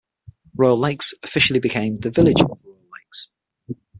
Royal Lakes officially became the Village of Royal Lakes.